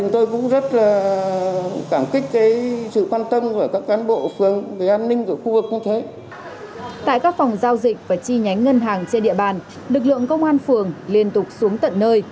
tại các phòng giao dịch và chi nhánh ngân hàng trên địa bàn lực lượng công an phường liên tục xuống tận nơi